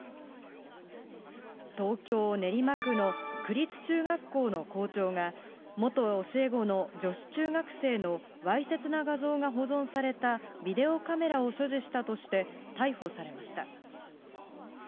東京・練馬区の区立中学校の校長が、元教え子の女子中学生のわいせつな画像が保存されたビデオカメラを所持したとして、逮捕されました。